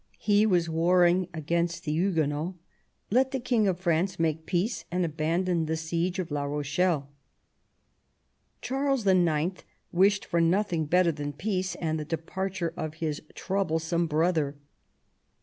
He was warring against the Huguenots : let the King of France make peace and abandon the siege of La Rochelle. Charles IX. wished for nothing better than peace and the de parture of his troublesome brother.